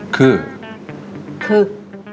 คือคือ